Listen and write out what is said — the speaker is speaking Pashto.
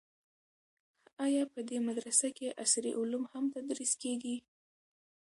آیا په دې مدرسه کې عصري علوم هم تدریس کیږي؟